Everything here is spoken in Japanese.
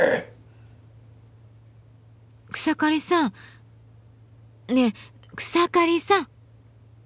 草刈さんねえ草刈さん！